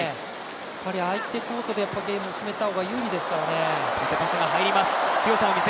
やっぱり相手コートでゲームを進めた方が有利ですからね。